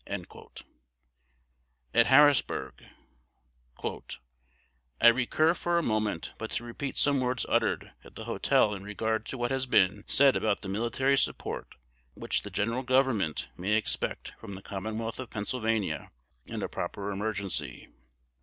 _" At Harrisburg: "I recur for a moment but to repeat some words uttered at the hotel in regard to what has been said about the military support which the General Government may expect from the Commonwealth of Pennsylvania in a proper emergency.